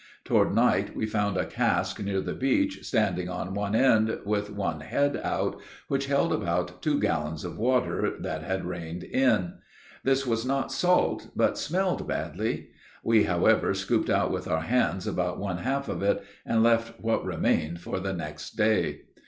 Toward night, we found a cask near the beach, standing on one end, with one head out, which held about two gallons of water, that had rained in. This was not salt, but smelled badly. We, however, scooped out with our hands about one half of it, and left what remained for the next day.